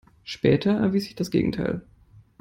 Später erwies sich das Gegenteil.